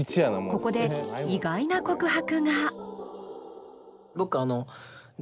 ここで意外な告白が。